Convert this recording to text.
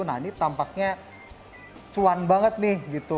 nah ini tampaknya cuan banget nih gitu